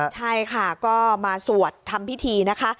ใช่ค่ะก็มาสวดทำพิธีนะคะ